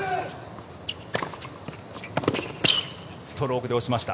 ストロークで押しました。